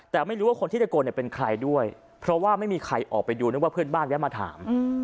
แต่ไม่รู้ว่าคนที่ตะโกนเนี่ยเป็นใครด้วยเพราะว่าไม่มีใครออกไปดูนึกว่าเพื่อนบ้านแวะมาถาม